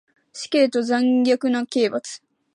死刑と残虐な刑罰